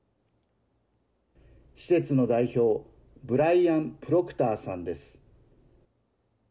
施設の代表ブライアン・プロクターさんです。